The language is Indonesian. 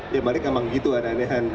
ya balik emang gitu aneh anehan